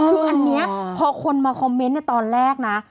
คืออันนี้พอคนมาคอมเมนต์ในตอนแรกนะ